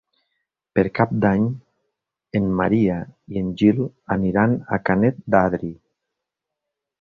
Per Cap d'Any en Maria i en Gil aniran a Canet d'Adri.